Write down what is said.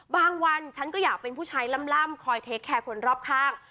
วันฉันก็อยากเป็นผู้ชายล่ำคอยเทคแคร์คนรอบข้าง